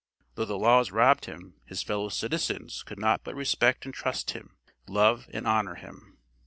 Though the laws robbed him, his fellow citizens could not but respect and trust him, love and honor him.